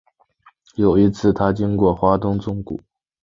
有一次他经过花东纵谷